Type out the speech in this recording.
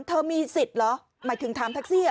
เธอมีสิทธิ์เหรอหมายถึงถามแท็กซี่